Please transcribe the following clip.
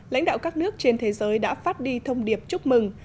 lãnh đạo các nước trên thế giới đã phát đi thông điệp chúc mừng